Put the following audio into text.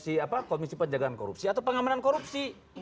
komisi penjagaan korupsi atau pengamanan korupsi